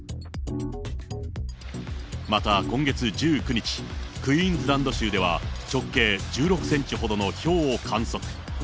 また今月１９日、クイーンズランド州では直径１６センチほどのひょうを観測。